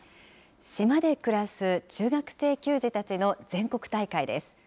島で暮らす中学生球児たちの全国大会です。